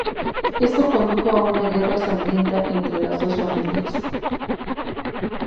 Esto condujo a una guerra sangrienta entre las dos familias.